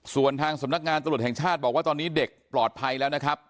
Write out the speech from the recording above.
ส่วนทางสำนักงานตรวจแห่งชาติบอกว่าตอนนี้เด็กปลอดภัยแล้วนะครับ